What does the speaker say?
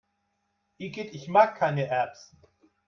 Igitt, ich mag keine Erbsen!